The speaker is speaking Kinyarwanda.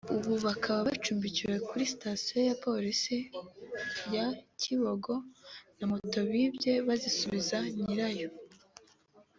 ubu bakaba bacumbikiwe kuri Sitasiyo ya Polisi ya Kibungo na moto bibye bayisubiza nyirayo